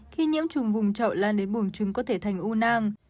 khi nhiễm trùng vùng trậu lan đến bùn trứng có thể thành u nang